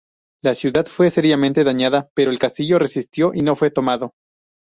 La ciudad fue seriamente dañada pero el castillo resistió y no fue tomado.